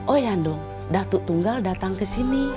oh ya dong datuk tunggal datang ke sini